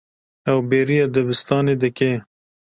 Ew bêriya dibistanê dike.